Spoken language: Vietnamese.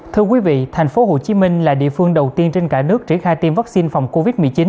thưa quý vị tp hcm là địa phương đầu tiên trên cả nước triển khai tiêm vaccine phòng covid một mươi chín